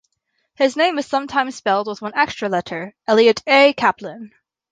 His name is sometimes spelled with one extra letter: Elliott A. Caplin.